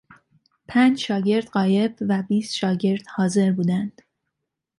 پنج شاگرد غایب و بیست شاگرد حاضر بودند.